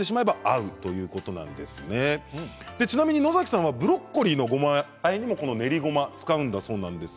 ちなみに野崎さんはブロッコリーのごまあえにもこの練りごまを使うんだそうです。